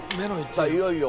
さあいよいよ。